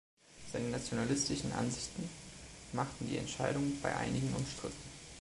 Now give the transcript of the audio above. Seine nationalistischen Ansichten machten die Entscheidung bei einigen umstritten.